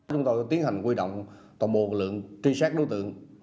chúng tôi tiến hành quy động tổng bộ lượng truy xét đối tượng